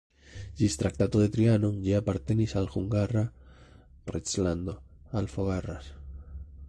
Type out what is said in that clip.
Ĝis Traktato de Trianon ĝi apartenis al Hungara reĝlando, al Fogaras.